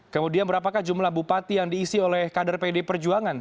kemudian berapakah jumlah bupati yang diisi oleh kader pdi perjuangan